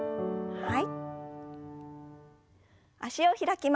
はい。